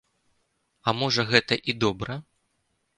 А можа гэта і добра.